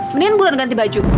mendingan bulan ganti baju